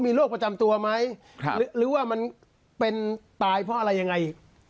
มีโรคประจำตัวไหมหรือว่ามันเป็นตายเพราะอะไรยังไง